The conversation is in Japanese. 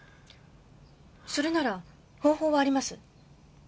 それなら方法はあります。